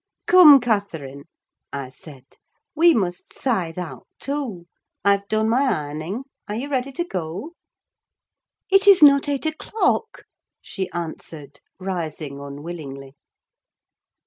"Come, Catherine," I said, "we must 'side out' too: I've done my ironing. Are you ready to go?" "It is not eight o'clock!" she answered, rising unwillingly.